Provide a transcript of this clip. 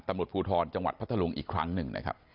ตำรวจภูทรจังหวัดพัทธลุงอีกครั้งหนึ่งนะครับ